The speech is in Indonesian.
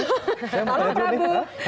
saya mau lihat dulu nih